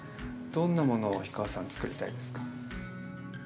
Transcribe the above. どんなものを氷川さんつくりたいですか？